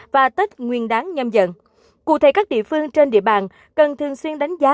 và tết nguyên đáng nhâm dần cụ thể các địa phương trên địa bàn cần thường xuyên đánh giá